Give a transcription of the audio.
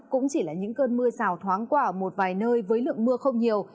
cũng chỉ là những cơn mưa xào thoáng qua một vài nơi với lượng mưa không nhiều